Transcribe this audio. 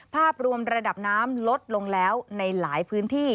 ภาพรวมระดับน้ำลดลงแล้วในหลายพื้นที่